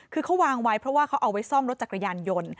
คือเขาวางไว้เพราะว่าเขาเอาไว้ซ่อมรถจักรยานยนต์